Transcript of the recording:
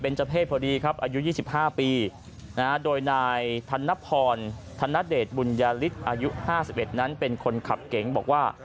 นายธนพรธนเดชบุญญาฤทธิ์อายุ๕๑นั้นเป็นคนขับเก๋งบอกว่า